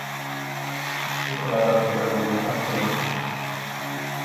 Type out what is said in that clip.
წიგნი ადაპტირებული იქნა ფილმად.